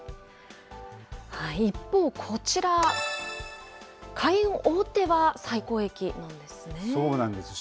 一方、こちら、海運大手は最高益なんですね。